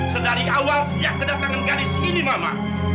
sedari awal sejak kedatangan gadis ini mama